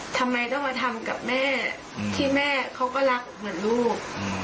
ทำไมต้องมาทำกับแม่ที่แม่เขาก็รักเหมือนลูก